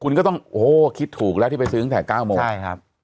คุณก็ต้องโอ้โหคิดถูกแล้วที่ไปซื้อตั้งแต่๙โมงใช่ครับ